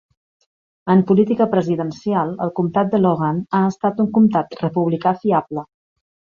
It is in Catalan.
En política presidencial, el comtat de Logan ha estat un comtat republicà fiable.